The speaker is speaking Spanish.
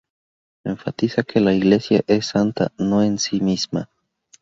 Enfatiza que la Iglesia es santa, no en sí misma.